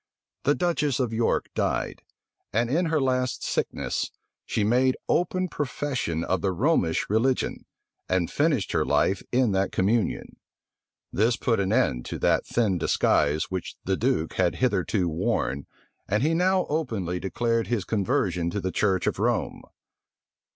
The duchess of York died; and in her last sickness, she made open profession of the Romish religion, and finished her life in that communion. This put an end to that thin disguise which the duke had hitherto worn and he now openly declared his conversion to the church of Rome.